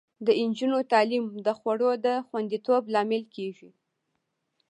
د نجونو تعلیم د خوړو د خوندیتوب لامل کیږي.